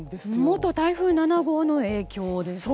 元台風７号の影響ですか？